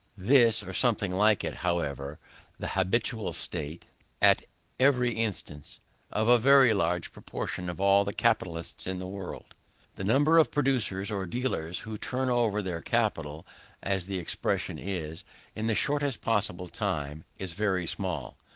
This, or something like it, is however the habitual state, at every instant, of a very large proportion of all the capitalists in the world. The number of producers, or dealers, who turn over their capital, as the expression is, in the shortest possible time, is very small.